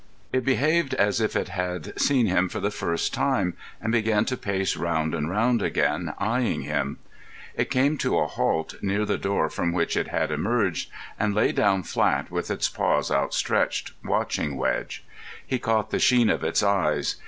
It behaved as if it had seen him for the first time, and began to pace round and round again, eyeing him. It came to a halt near the door from which it had emerged, and lay down flat, with its paws outstretched, watching Wedge. He caught the sheen of its eyes.